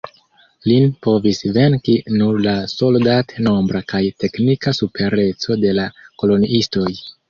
Lin povis venki nur la soldat-nombra kaj teknika supereco de la koloniistoj.